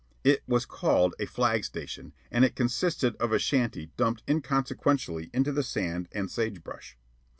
It was called a flag station, and it consisted of a shanty dumped inconsequentially into the sand and sagebrush.